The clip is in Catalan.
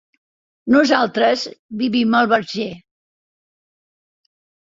Nosaltres vivim al Verger.